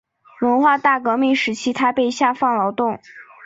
文化大革命时期他被下放劳动。